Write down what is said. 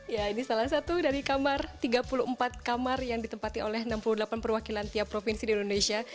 ya ini salah satu dari kamar tiga puluh empat kamar yang ditempati oleh enam puluh delapan perwakilan tiap provinsi di indonesia